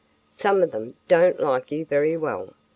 Some of them don't like you very well.